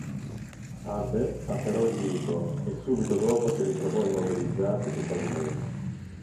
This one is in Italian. Abbe afferrò il dito e subito dopo si ritrovò immobilizzato sul pavimento.